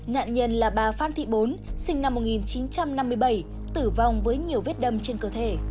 nạn nhân là bà phan thị bốn sinh năm một nghìn chín trăm năm mươi bảy tử vong với nhiều vết đâm trên cơ thể